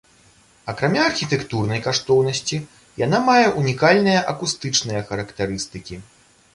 Акрамя архітэктурнай каштоўнасці, яна мае унікальныя акустычныя характарыстыкі.